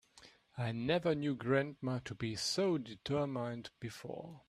I never knew grandma to be so determined before.